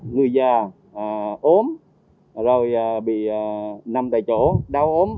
người già ốm rồi bị nằm tại chỗ đau ốm